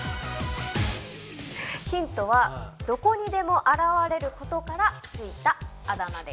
ヒントはどこにでも現れることから付いたあだ名です。